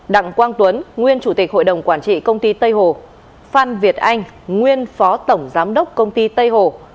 đặng quang tuấn nguyên chủ tịch hội đồng quản trị công ty tây hồ phan việt anh nguyên phó tổng giám đốc công ty tây hồ